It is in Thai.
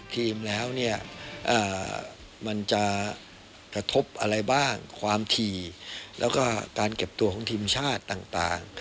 ทีมแล้วเนี่ยมันจะกระทบอะไรบ้างความถี่แล้วก็การเก็บตัวของทีมชาติต่าง